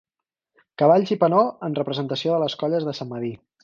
Cavalls i penó en representació de les colles de Sant Medir.